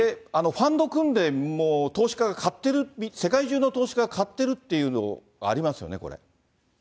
ファンド組んで、投資家が買っている、世界中の投資家が買ってるっていうのありますよね、これ。